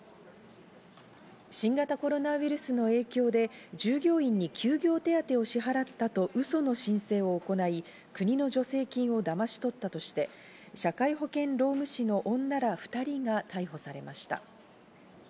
新型コロナウイルスの影響で従業員に休業手当を支払ったとウソの申請を行い、国の助成金をだまし取ったとして、社会保険労務士の女ら２人が逮捕されました。